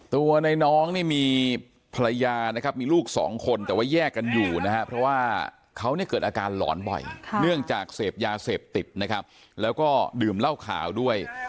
ตัวในน้องนี่มีภรรยานะครับมีลูกสองคนแต่ว่าแยกกันอยู่นะครับเพราะว่าเขาเนี่ยเกิดอาการหลอนบ่อยเนื่องจากเสพยาเสพติดนะครับแล้วก็ดื่มเหล้าขาวด้วย